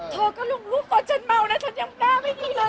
เธอก็หรูปตอนฉันเมานะฉันยอมท่าไม่อีกเลย